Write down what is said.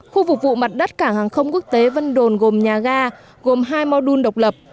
khu phục vụ mặt đất cảng hàng không quốc tế vân đồn gồm nhà ga gồm hai modun độc lập